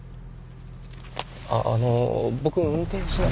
あっあのう僕運転しな。